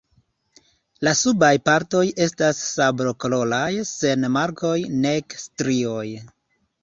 La subaj partoj estas sablokoloraj sen markoj nek strioj.